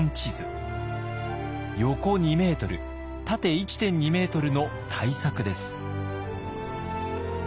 横２ｍ縦１．２ｍの大作です。